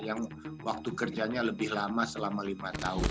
yang waktu kerjanya lebih lama selama lima tahun